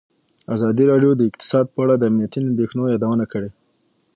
ازادي راډیو د اقتصاد په اړه د امنیتي اندېښنو یادونه کړې.